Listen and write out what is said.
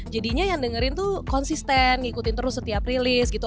jadinya yang dengerin tuh konsisten ngikutin terus setiap episode